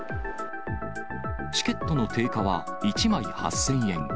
チケットの定価は１枚８０００円。